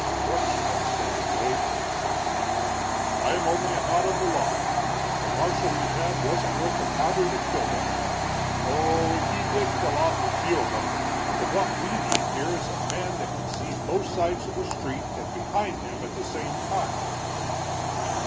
"Crooks run things, heh?" "I'm only a knot on a log. The marshal we had wasn't worth the powder that killed him. Oh h, he did kill off a few of 'em, but what we need here is a man that can see both sides of the street and behind him at the same time."